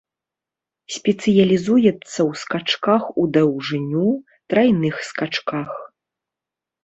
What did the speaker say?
Спецыялізуецца ў скачках у даўжыню, трайных скачках.